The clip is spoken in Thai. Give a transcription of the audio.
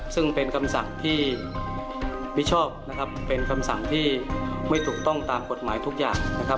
ซึ่งเป็นคำสั่งที่วิชอบเป็นคำสั่งที่ไม่ถูกต้องตามหนังทุกอย่าง